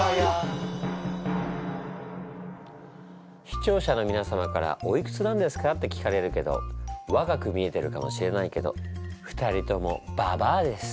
視聴者のみなさまから「おいくつなんですか」って聞かれるけど若く見えてるかもしれないけど２人ともババアです。